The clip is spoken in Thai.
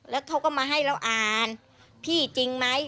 แล้วเขาก็มาให้เราอ่านพี่จริงไหม